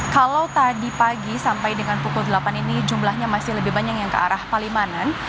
kalau tadi pagi sampai dengan pukul delapan ini jumlahnya masih lebih banyak yang ke arah palimanan